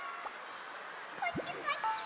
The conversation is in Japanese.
こっちこっち。